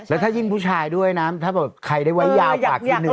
แล้วถ้ายิ่งผู้ชายด้วยนะถ้าบอกว่าใครได้ไว้ยาวกว่าคือเหนือ